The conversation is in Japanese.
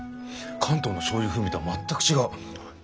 関東のしょうゆ風味とは全く違う。